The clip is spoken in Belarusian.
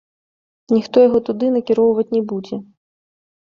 Ніхто яго туды накіроўваць не будзе!